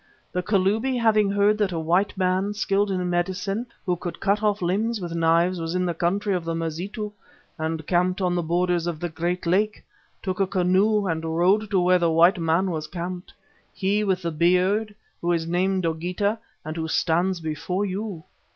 The Kalubi, having heard that a white man skilled in medicine who could cut off limbs with knives, was in the country of the Mazitu and camped on the borders of the great lake, took a canoe and rowed to where the white man was camped, he with the beard, who is named Dogeetah, and who stands before you.